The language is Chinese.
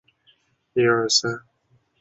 史书没有记载张氏的生年。